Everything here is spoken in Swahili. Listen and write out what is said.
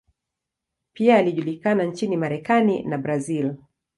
Pia alijulikana nchini Marekani na Brazil.